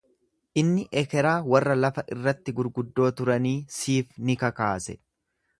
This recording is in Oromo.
Inni ekeraa warra lafa irratti gurguddoo turanii siif ni kakaase.